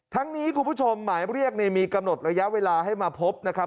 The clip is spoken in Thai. นี้คุณผู้ชมหมายเรียกมีกำหนดระยะเวลาให้มาพบนะครับ